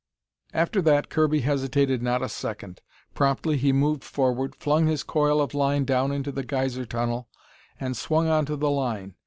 After that Kirby hesitated not a second. Promptly he moved forward, flung his coil of line down into the geyser tunnel, and swung on to the line.